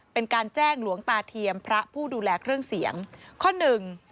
เป็นการแจ้งหลวงตาเทียมพระผู้ดูแลเครื่องเสียงข้อหนึ่ง